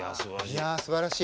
いやすばらしい。